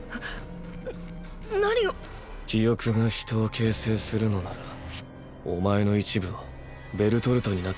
なッ何を⁉記憶が人を形成するのならお前の一部はベルトルトになっちまったんだよ。